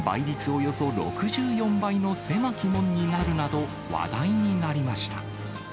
およそ６４倍の狭き門になるなど、話題になりました。